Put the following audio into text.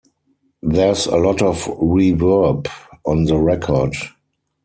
There's a lot of reverb on the record.